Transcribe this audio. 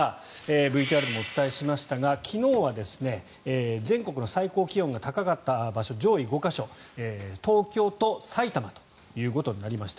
ＶＴＲでもお伝えしましたが昨日は全国の最高気温が高かった場所上位５か所東京と埼玉となりました。